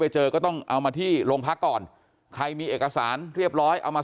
เจอก็ต้องเอามาที่โรงพักก่อนใครมีเอกสารเรียบร้อยเอามา